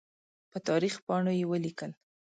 په تاریخ پاڼو یې ولیکل.